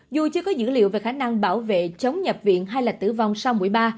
dù chưa có dữ liệu về khả năng bảo vệ chống nhập viện hay là tử vong sau mũi ba